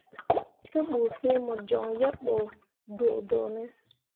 Te ɓu fiŋ mo coŋ yebɓo doodoone ?